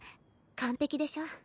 完璧でしょ？